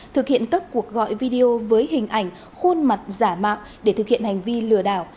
thực hiện các cuộc gọi video với hình ảnh khuôn mặt giả mạo để thực hiện hành vi lừa đảo